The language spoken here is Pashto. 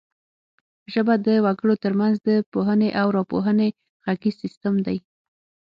ژبه د وګړو ترمنځ د پوهونې او راپوهونې غږیز سیستم دی